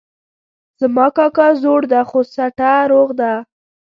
زما کاکا زوړ ده خو سټه روغ ده